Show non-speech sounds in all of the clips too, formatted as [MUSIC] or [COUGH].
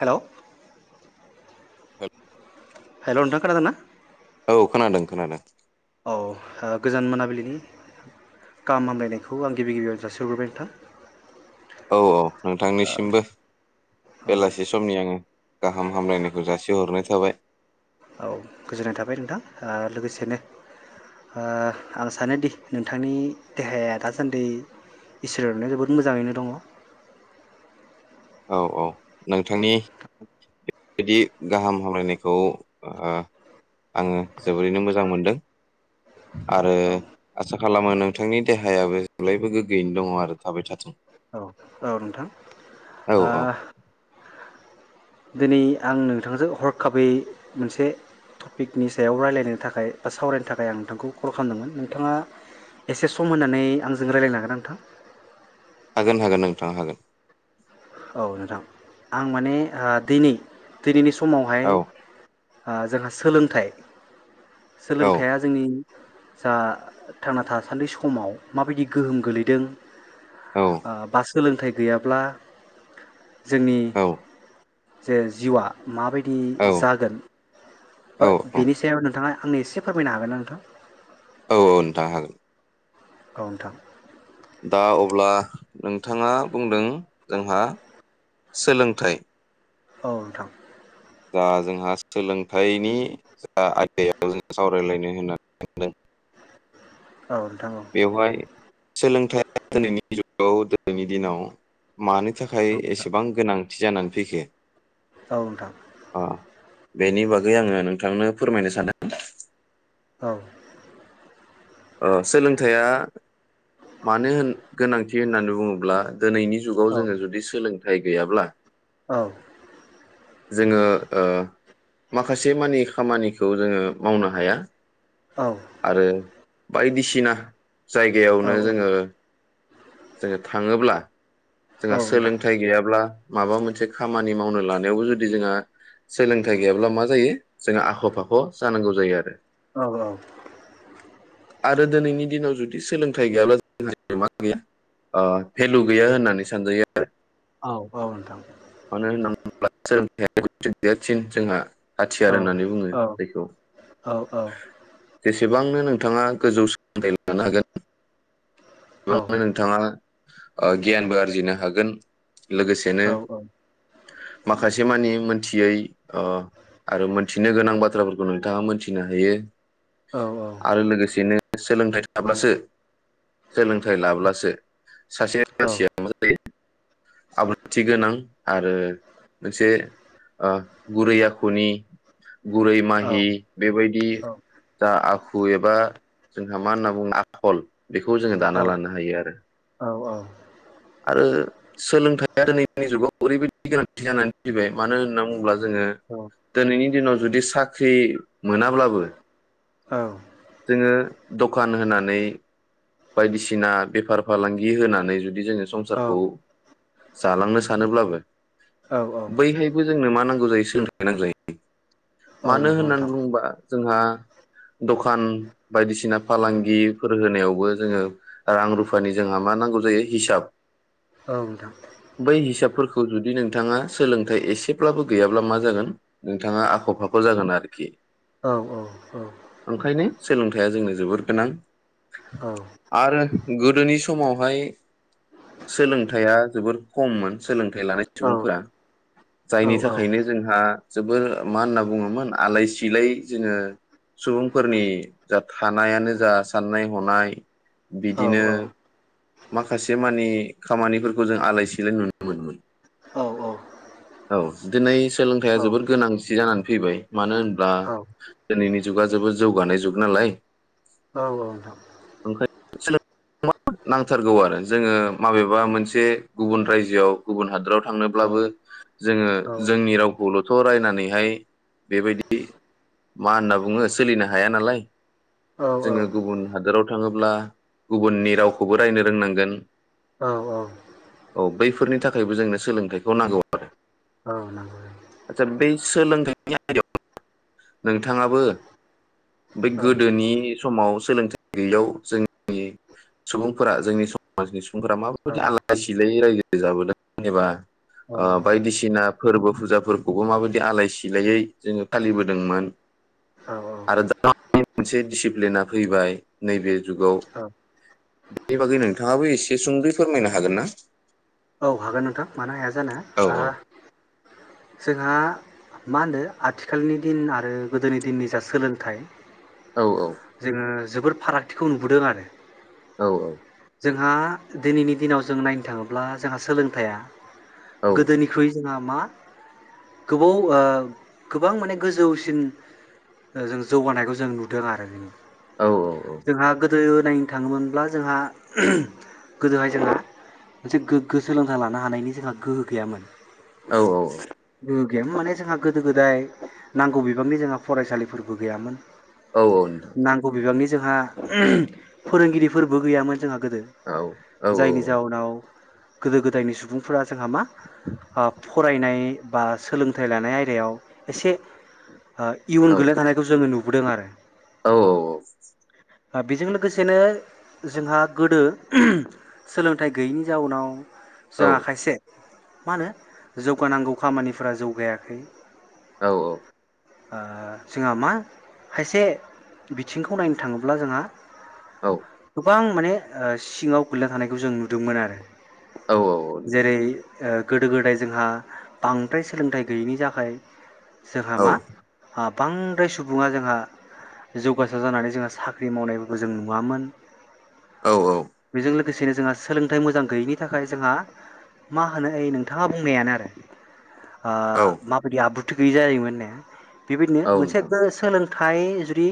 Hello [UNINTELLIGIBLE] hello नोंथां खोनादों ना? औ खोनादों खोनादों। औ ओ गोजान मोनाबिलिनि गाहाम हामलायनायखौ आं गिबि गिबियाव जासिहरग्रोबाय नोंथां। औ औ नोंथांनिसिमबो औ बेलासि समनि आङो गाहाम हामलायनायखौ जासिहरनाय थाबाय। औ गोजोननाय थाबाय नोंथां ओ लोगोसेनो ओ आं सानो दि नोंथांनि देहाया दासान्दै इसोरनि अन्नायाव जोबोद मोजाङैनो दङ? औ औ नोंथांनि बेबायदि गाहाम हामलायनायखौ ओ आङो जोबोरैनो मोजां मोनदों। आरो आसा खालामो नोंथांनि देहायाबो जेब्लायबो गोग्गोयैनो दङ आरो थाबाय थाथों। औ नोंथां। औ ओ औ दिनै आं नोंथांजों हरखाबै मोनसे टपिकनि सायाव रायलायनो थाखाय बा सावरायनो थाखाय आं नोंथांखौ कल खालामदोंमोन नोंथाङा एसे सम होननानै आंजों रायजलायनो हागोना नोंथां? गोन हागोन नोंथां हागोन। औ नोंथां आं माने ओ दिनै दिनैनि स समावहाय औ ओ जोंहा सोलोंथाय औ सोलोंथाया जोंनि जा थांना थासान्दि समाव माबायदि गोहोम गोलैदों औ ओ बास सोलोंथाय गैयाब्ला जोंनि औ जे जिउआ माबायदि दि जागोन औ बा औ बेनि सायाव नोंथाङा आंनो एसे फोरमायनो हागोनना नोंथां औ औ नोंथां हागोन औनोंथां दा अब्ला नोंथाङा बुंदों जोंहा सोलोंथाइ औ नोंथां बा जोंहा सोलोंथाइनि जा आयदायाव जों सावरायलायनो होननानै [UNINTELLIGIBLE] औ नोंथां औ बेवहाय सोलोंथाइया दिनोनैनि जुगाव दिनैनि दिनाव मानि थाखाय नोंथां एसेबां गोनां जानानै फैखो औ नोंथां अ बेनि बागै आङो नोंथांनो फोरमायनो सानो औ ओ सोलोंथाइया मानो होन गोनांथि थि होननानै बुङोब्ला दिनैनि जुगाव जोङो जुदि सोलों थाय गैयाब्ला औ जोङो ओ माखासे मानि खामानि खौ जोङो मावनो हाया औ आरो बायदिसिना जायगायावनो जोङो जोङो थाङोब्ला औ जोंहा नोंथां सोलोंथाइ गैयाब्ला माबा मोनसे खामानि मावनो लानायावबो जुदि जोंहा सोलोंथाइ गैयाब्ला मा जायो जोंहा आख' फाख' जानांगौ जायो आरो औ औ आरो दिनैनि दिनाव जुदि सोलोंथाइ गैयाब्ला [UNINTELLIGIBLE] मा गैया भेलु गैया होननानै सानजायो औ औ नोंथां [INAUDIBLE] गदेरसिन जोंहा हाथियार होननानै बुङो औ औ जायखौ औ औ जैसे एसेबांनो नोंथाङा गोजौ सोलोंथाइ लानो हागोन औ [INAUDIBLE] नोंथाङा ओ गियानबो आरजिनो हागोन लोगोसेनो माखासे मानि मोनथियै अ आरो मोनथिनो गोनां बाथ्राफोरखौ नोंथाङा मोनथिनो हायो औ औ आरो लोगोसेनो सोलोंथाइ थाब्लासो सोलोंथाइ लाब्लासो सासे मानसिया मा जायो आब्रुथि गोनां आरो मोनसे ओ गुरै आखुनि गुरै माहि बेबायदि जा आखु फु एबा जोंहा मा होनना बुङो आखल बेखौ जोङो दाना लानो हायो आरो औ आरो सोलोंथाइया दिनैनि जुगाव ओरैबायदि गोनांथि जानानै फैबाय मानो होननानै बुङोब्ला जोङो दोनैनि दिनाव जुदि सा साख्रि मोनाब्लाबो जोङो दखान होनानै बायदिसिना बेफार फालांगि होनानै जुदि जोङो औ संसारखौ जालांनो सानोब्लाबो औ बैहायबो जोंनो मा नां मोजांयै सोलोंथाइ नांगौ जायो औ मानो नंगौ होननानै नोंथां बुंङोबा जोंहा दखान बायदिसिना फालांगिफोर होनायावबो जोङो रां रुफानि जोंहा मा नांगौ जायो हिसाब औ नोंथां बै हिसाबफोरखौ खौ जुदि नोंथाङा सोलोंथाइ एसेब्लाबो गैयाब्ला मा जागोन नोंथाङा आख फाख जागोन आरोखि औ औ औ ओंखायनो सोलोंथाइया जोंनो जोबोर गोनां औ आरो गोदोनि समावहाय सोलोंथाइया जोबोर खममोन सोलोंथाइ लानाय औ सुबुंफोरा औ जायनि थाखायनो जोंहा जोबोर मा होनना बुङोमोन आलाय सिलाय जोङो सुबुंफोरनि जा थानायानो जा साननाय हनाय औ नोंथां औ बिदिनो माखासे मानि खामानिफोरखौ जों आलाय सिलाय नुनो मोनोमोन। औ दिनै सोलोंथाइया जोबोर गोनांथि जानानै फैबाय। मानो होनब्ला दिनैनि जुगा जोबो जौगानाय जुग नालाय औ औ नोंथां। ओंखायनो सोलों [UNINTELLIGIBLE] नांथारगौ आरो जोङो माबेबा मोनसे गुबुन रायजोआव गुबुन हादराव थांनोब्लाबो जोङो जोंनि रावखौल' सावरायनानैहाय बेबायदि मा होनना बुङो सोलिनो हाया नालाय। जोङो गुबुन हादोराव थाङो ब्ला गुबुननि रावखौबो रायनो रोंनांगोन। औ औ। औ बैफोरनि थाखायबो जोंनो सोलोंथाइखौ नांगौ आरो औ नांगौ। आदसा बे सोलोंथाइनि आयदायाव नोंथाङाबो बेै औ गोदोनि समाव सोलोंथाइ गैयैयाव जोंनि सुबुंफोरा जोंनि समाजनि सुबुं सुबुंफोरा माबायदि आलाय सिलायै रायजो जाबोदों जेनेबा ओ औ औ बायदिसिना फोरबो फुजा फोरखौबो माबायदि आलाय सिलायै जोङो फालिबोदोंमोन? औ औ। आरो दा मोनसे डिसिप्लेना फैबाय नैबे जुगाव बे बागै नोंथाङाबो एसे सुंदै फोरमायनो हागोन ना? औ हागोन नोंथां मानो हाया जानो औ ओ जोंहा मा होनदो आथिखालनि दिन आरो गोदोनि दिननि जा सोलोंथाइ औ जोङो जोबोर फारागथिखौ नुबोदों आरो औ जोंहा दिनैनि दिनाव जों नायनो थाङोब्ला जोंहा सोलोंथाइया औ गोदोनिख्रुइ जोंहा मा गोबाव ओ गोबां माने गोजौसिन जों जौगानायखौ जों नुदों आरो औ जोंहा गो गोदो नायनो थाङोमोनब्ला जोंहा गोदोहाय जोंहा मोनसे गो गोगो सोलोंथाइ लानो हानायनि जोंहा गोहो गैयामोन। औ औ औ माने जोंहा गोदो गोदाय नांगौ बिबांनि जोंहा फरायसालिफोरबो गैयामोन। औ औ नोंथां नांग बिबांनि जोंहा फोरोंगिरिफोरबो गैयामोन जोंहा। गोदो औ जायनि जाउनाव। गोदो गोदायनि सुबुंफोरा जोंहा मा ओ फरायनाय बा सोलोंथाइ लानाय आयदायाव एसे। ओ इयुन औ गोलै थानायखौ जोङो नु नुबुदों आरो। औ औ बेजों लोगोसेनो जोंहा गोदो सोलोंथाइ गैयैनि जाउनाव। जा औ खायसे मा होनो जौगानांगौ खामानिफोरा जौगायाखै। औ औ ओ जोंहा मा खायसे बिथिंखौ नायनो थाङोब्ला जोंहा। औ गोबां माने ओ सिङाव गोगलैना थानायखौ जों नुदोंमोन आरो। औ जेरै ओ गोदो गोदाय जोंहा बांद्राय सोलोंथाइ गैयैनि थाखाय। जोहामा औ आब बांद्राय सुबुङा जोंहा जौगासार जानानै जोंहा साख्रि मावनायफोरखौ जों नुवामोन। औ बेजों लोग बेसेनो जोंहा सोलोंथाइ मोजां गैयैनि थाखाय जोंहा मा होनो नोंथाङा बुंनायानो आरो। ओ औ औ नोंथां औ नोंथां औ नोंथां माबायदि आबुथि गैजायमोन नो बेबायदिनो मोनसे सोलों थाय जुदि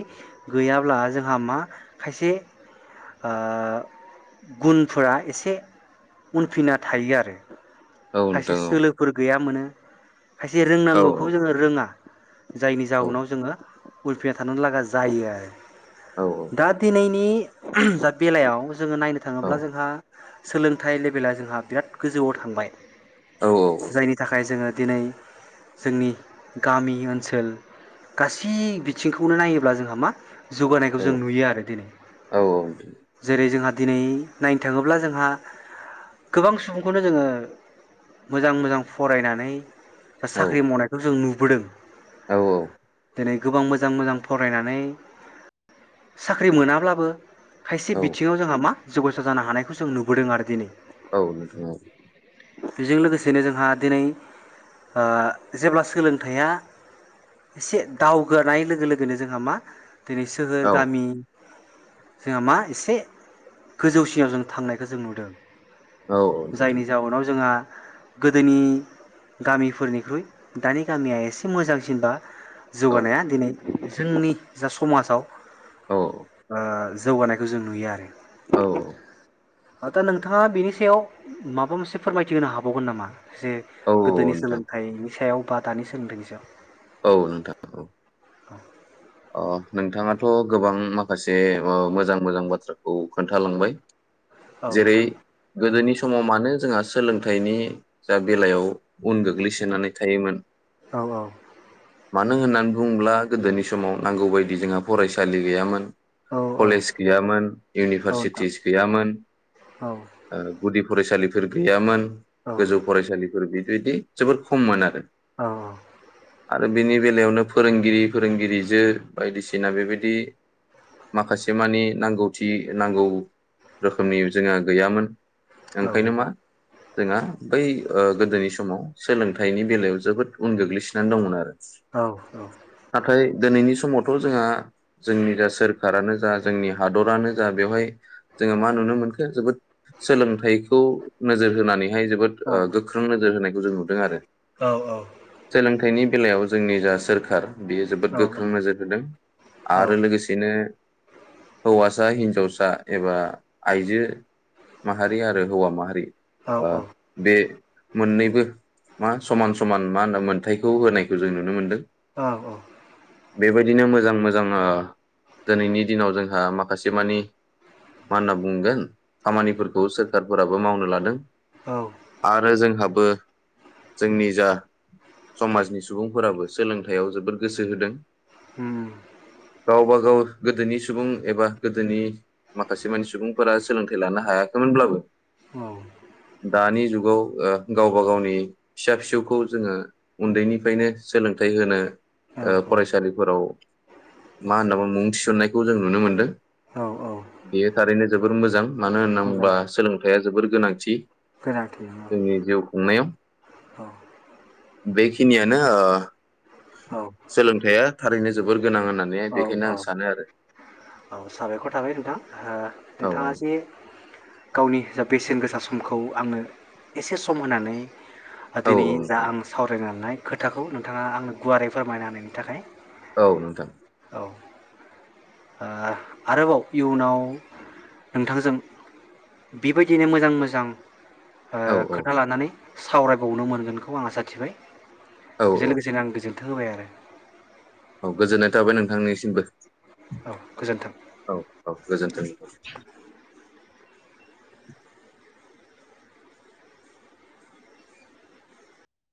गैयाब्ला जोंहा मा खायसे ओ गुनफोरा एसे उनफिना थायो आरो। खायसे सोलोफोर गैयामोनो [INAUDIBLE] खायसे रोंनांगौखौ जोङो रोङा। जायनि जाहोनाव जोङो उल फिना थानो लागा जायो आरो। दा दिनैनि। दा बेलायाव जोंङो नायनो थाङोब्ला जोंहा सोलों थाइ लेभेला जोंहा बिराद गोजौआव थांबाय जायनि थाखाय जोंङो दिनै जोंनि गामि ओनसोल गासै बिथिंखौनो नायोब्ला जोंहा मा जौगानायखौ जों नुयो आरो दिनै जेरै जोंहा दिनै नायनो थांङोब्ला जोंहा गोबां सुबुंखौनो जोंङो मोजां मोजां फरायनानै दा साख्रि मावनायखौ जों नु बोदों औ औ दिनै गोबां मोजां मोजां फरायनानै साख्रि मोनाब्लाबो खायसे बिथिङाव जोंहा मा जौगासारनो हानायखौ जों नुयो बोदों आरो दिनै औ [UNINTELLIGIBLE] बेजों लोगोसेनो जोंहा दिनै ओ जेब्ला सोलोंथाइया एसे दावगानाय लोगो लोगोनो जोंहा मा दिनै सोहोर गामि जोंहा मा एसे गोजौसिनाव जों थांनाय खौ जों नुदों जायनि जाउोनाव जोंहा गोदोनि गामिफोरनिख्रुइ दानि गामिया एसे मोजांसिनबा जौगानाया दिनै जोंनि जा समाजाव ओ जौगानायखौ जों नुयो आरो दा नोंथाङा बेनि सायाव माबा मोनसे फोरमायथि होनो हाबावगोन नामा जे गोदोनि सोलोंथाइनि सायाव बा दानि सोंलोंथाइनि सायाव औ नोंथाङा औ [INAUDIBLE] अ नोंथाङाथ' गोबां माखासे आ मोजां मोजां बाथ्राखौ खोन्थालांबाय औ जेरै नोंथां गोदोनि समाव मानो जोंहा सोलोंथाइनि जा बेलायाव उन गोग्लैसोनानै थायोमोन औ औ मानो होननानै बुंङोब्ला गोदोनि समाव नांगौ बायदि जोंहा फरायसालि गैयामोन औ औ कलेज गैयामोन औ नोंथां इउनिभारसिटिस गैयामोन औ ओ गुदि फरायसालिफोर गैयामोन औ गोजौ फरायसालिफोर बे बिदि जोबोर खममोन आरो। औ औ। आरो बेनि बेलायावनो फोरोंगिरिफोर फोरोंगिरिजो बायदिसिना बेबायदि माखासे मानि नांगौथि नांगौ रोखोमनि जोंहा गैयामोन। औ ओंखायनो मा नोंथां जोंहा बै ओ गोदोनि समाव सोलोंथाइनि बेलायाव जोबोद उन गोग्लैसोनानै दंमोन आरो। औ नाथाय दिनैनि समावथ' जोंहा जोंनि जा सोरखारानो जा जोंनि हादरानो जा बेवहाय जोङो मा नुनो मोनख जोबोद सोलोंथाइखौ नोजोर होनानै जोबोद औ ओ गोख्रों नोजोर होनाय जों नुदों आरो औ औ। सोलोंथाइनि बेलायाव जोंनि जा सोरखार बियो जोबोद गोख्रों नोजोर होदों आरो लोगोसेनो हौवासा हिनजावसा एबा आइजो माहारि आरो हौवा माहारि ओ बे मोननैबो मा समान समान मा होनो मोन्थथायखौ होनायखौ जों नुनो मोनदों। औ औ। बेबायदिनो मोजां मोजां ओ दिनैनि दिनाव जोंहा माखासे मानि मा होनना बुंगोन खामानिफोरखौ सोरखारफोराबो मावनो लादों। औ आरो जोंहा बो जोंनि जा समाजनि सुबुंफोराबो सोलों थाइयाव जोबोद गोसो होदों। उम। गावबागाव गोदोनि सुबुं एबा गोदोनि माखासे मानि सुबुंफोरा सोलोंथाइ लानो हायाखैमोनब्लाबो औ दानि जुगाव ओ गावबा गावनि फिसा फिसौखौ जोङो उन्दैनिफ्रायनो सोलोंथाइ होनो ओ औ औ फरायसालिफोराव मा होननना बुङो मुं थिसननायखौ जों नुनो मोनदों औ औ बेयो थारैनो जोबोर मोजां। मानो होनना मोजां बुंबा सोंलोंथाइया जोबोर गोनांथि। गोनांथि औ जोंनि जिउ खुंनायाव। औ बेखिनियानो ओ सोलोंथाइया थारैनो जोबोर गोनां होननानै औ बेखायनो औ आं सानो आरो औ साबायखर थाबाय नोंथां औ नोंथाङा जे गावनि बेसेन गोसा समखौ आंनो एसे सम होनानै औ दिनै जा आं सावरायनानै खोथाखौ नोंथाङा आंनो गुवारै फोरमायना होनायनि थाखाय। औ नोंथां। आ आरोबाव इयुनाव नोंथांजों बेबायदिनो मोजां मोजां ओ औ औ खोथा लानानै सावरायबावनो मोनगोनखौ आं आसाथिबाय। औ बेजों औ लोगोसेनो आं गोजोन थों होबाय आरो औ गोजोननाय थाबाय नोंथांनिसिमबो औ गोजोन्थों। औ औ गोजोन्थों। औ